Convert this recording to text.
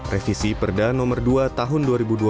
revisi perda no dua tahun dua ribu dua belas